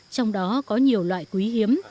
trong đó có nhiều loại quý hiếm